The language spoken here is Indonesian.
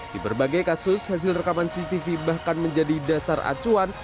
di berbagai kasus hasil rekaman cctv bahkan menjadi dasar acuan